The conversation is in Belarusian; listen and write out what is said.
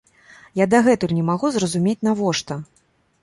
Я дагэтуль не магу зразумець, навошта.